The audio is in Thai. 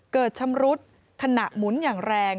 ชำรุดขณะหมุนอย่างแรง